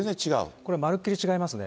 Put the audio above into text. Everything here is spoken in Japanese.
これは、まるっきり違いますね。